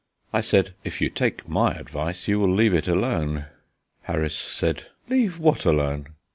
I said: "If you take my advice, you will leave it alone." Harris said: "Leave what alone?"